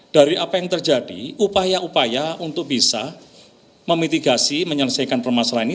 dari apa yang terjadi upaya upaya untuk bisa memitigasi menyelesaikan permasalahan ini